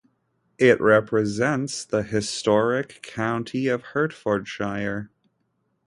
It represents the historic county of Hertfordshire.